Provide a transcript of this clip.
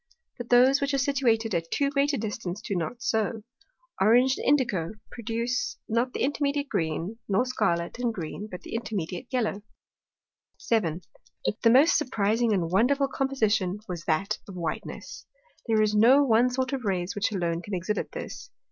But those, which are situated at too great a distance, do not so. Orange and Indico produce not the intermediate Green, nor Scarlet and Green the intermediate Yellow. 7. But the most surprizing and wonderful Composition was that of Whiteness. There is no one sort of Rays which alone can exhibit this.